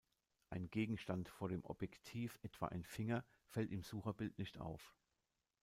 Ein Gegenstand vor dem Objektiv, etwa ein Finger, fällt im Sucherbild nicht auf.